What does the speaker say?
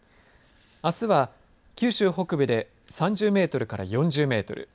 あすは九州北部で３０メートルから４０メートル。